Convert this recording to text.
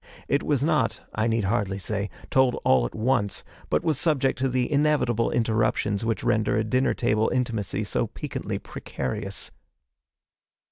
It was not, I need hardly say, told all at once, but was subject to the inevitable interruptions which render a dinner table intimacy so piquantly precarious.